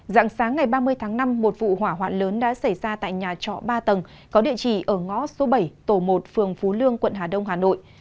dạng sáng ngày ba mươi tháng năm một vụ hỏa hoạn lớn đã xảy ra tại nhà trọ ba tầng có địa chỉ ở ngõ số bảy tổ một phường phú lương quận hà đông hà nội